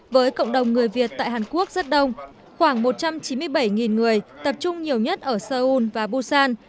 với cộng đồng người việt tại hàn quốc rất đông khoảng một trăm chín mươi bảy người tập trung nhiều nhất ở seoul và busan